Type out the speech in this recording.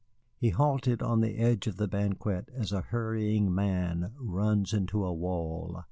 He halted on the edge of the banquette as a hurrying man runs into a wall.